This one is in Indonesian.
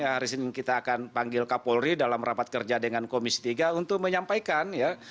hari senin kita akan panggil kapolri dalam rapat kerja dengan komisi tiga untuk menyampaikan ya